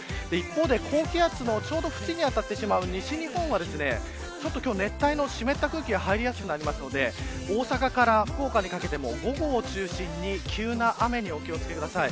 一方で、高気圧の縁にあたってしまう西日本は熱帯の湿った空気が入りやすくなるので大阪から福岡にかけても午後を中心に急な雨にお気を付けください。